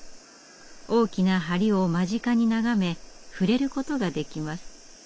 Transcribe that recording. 大きな梁を間近に眺め触れることができます。